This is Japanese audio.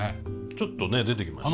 ちょっとね出てきましたね。